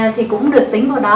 thì cũng được tính vào đó